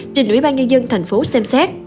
trên ủy ban nhân dân thành phố xem xét